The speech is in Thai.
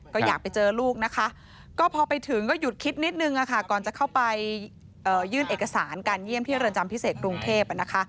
ก็อยากไปเจอลูกนะคะก็พอไปถึงก็หยุดคิดนิดนึงค่ะก่อนจะเข้าไปยื่นเอกสารการเยี่ยมที่เรือนจำพิเศษกรุงเทพนะคะ